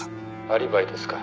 「アリバイですか？」